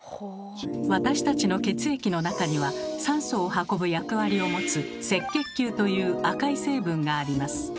私たちの血液の中には酸素を運ぶ役割を持つ赤血球という赤い成分があります。